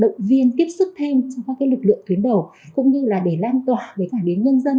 tiên kiếp sức thêm cho các lực lượng tuyến đầu cũng như là để lan tỏa với cả những nhân dân